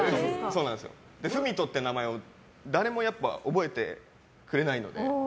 郁人って名前を誰も覚えてくれないので。